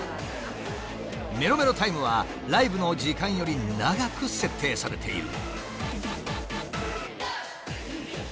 メロメロタイムはライブの時間より長く設定されている。